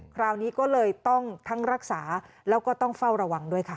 คราวนี้ก็เลยต้องทั้งรักษาแล้วก็ต้องเฝ้าระวังด้วยค่ะ